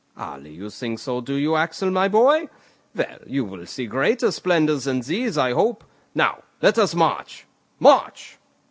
"Ali, you think so, do you, Axel, my boy? Well, you will see greater splendours than these, I hope. Now let us march: march!"